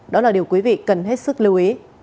đó là điều quý vị cần hết sức lưu ý